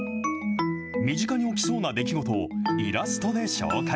身近に起きそうな出来事をイラストで紹介。